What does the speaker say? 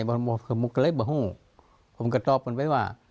พรุ่งชิดใจที่เป็นเมื่อกี้ไม่มี